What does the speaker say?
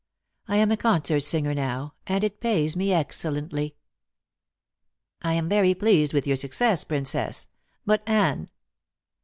I am a concert singer now, and it pays me excellently." "I am very pleased with your success, Princess. But Anne?"